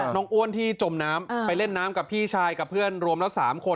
อ้วนที่จมน้ำไปเล่นน้ำกับพี่ชายกับเพื่อนรวมละ๓คน